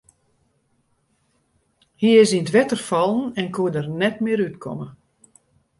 Hy is yn it wetter fallen en koe der net mear út komme.